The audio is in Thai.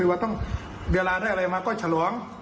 เวลาได้อะไรมาก็ชะลอง